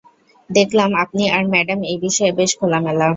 দেখলাম আপনি আর ম্যাডাম এই বিষয়ে বেশ খোলামেলা।